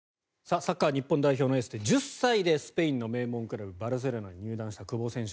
サッカー日本代表のエースで１０歳でスペインの名門クラブバルセロナに入団した久保選手。